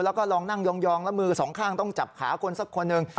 แล้วก็ลองนั่งยองแล้วมือสองข้างต้องจับขาคนสักคนหนึ่ง